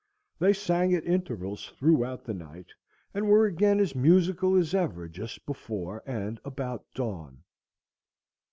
They sang at intervals throughout the night, and were again as musical as ever just before and about dawn.